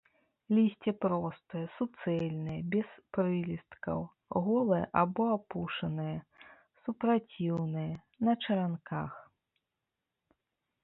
Лісце простае, суцэльнае, без прылісткаў, голае або апушанае, супраціўнае, на чаранках.